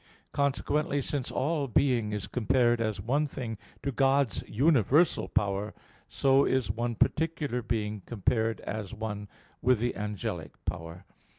Consequently since all being is compared as one thing to God's universal power, so is one particular being compared as one with the angelic power.